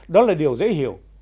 đó là điều dễ hiểu